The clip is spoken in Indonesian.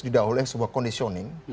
di dahulu sebuah conditioning